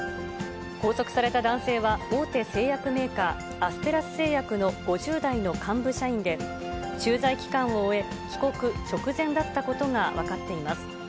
拘束された男性は、大手製薬メーカー、アステラス製薬の５０代の幹部社員で、駐在期間を終え、帰国直前だったことが分かっています。